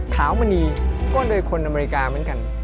ขาวมณีก็เลยคนอเมริกาเหมือนกัน